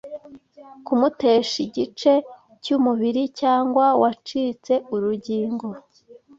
kumutesha igice cy'umubiri cyangwa wacitse urugingo